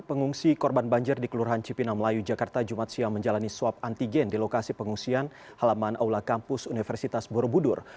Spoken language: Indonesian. pengungsi korban banjir di kelurahan cipinang melayu jakarta jumat siang menjalani swab antigen di lokasi pengungsian halaman aula kampus universitas borobudur